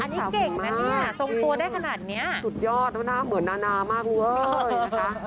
อันนี้เก่งนะเนี่ยทรงตัวได้ขนาดนี้สุดยอดแล้วหน้าเหมือนนานามากเลยนะคะ